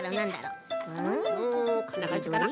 うんこんなかんじかな？